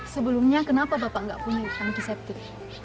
sebelumnya kenapa bapak tidak punya tanki septic